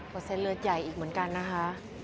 ก็เส้นเลือดใหญ่อีกเหมือนกันนะคะ